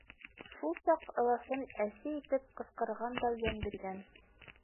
Шул саҡ ыласын әсе итеп ҡысҡырған да йән биргән.